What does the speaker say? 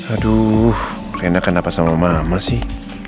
aduh enak kenapa sama mama sih